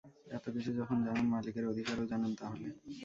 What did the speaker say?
এত কিছু যখন জানেন, মালিকের অধিকারও, জানেন তাহলে?